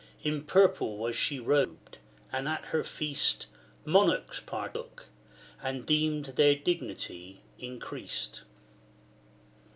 In purple was she robed, and of her feast Monarchs partook, and deemed their dignity increased.